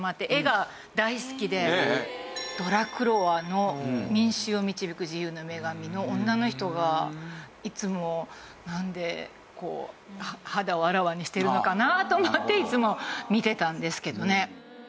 ドラクロワの『民衆を導く自由の女神』の女の人がいつもなんで肌をあらわにしてるのかなと思っていつも見てたんですけどね。